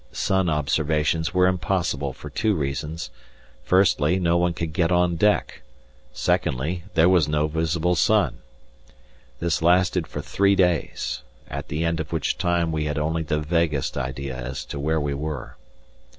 Sun observations were impossible for two reasons. Firstly, no one could get on deck; secondly, there was no visible sun. This lasted for three days, at the end of which time we had only the vaguest idea as to where we were.